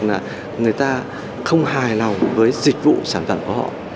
là người ta không hài lòng với dịch vụ sản phẩm của họ